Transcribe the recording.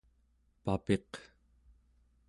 papiq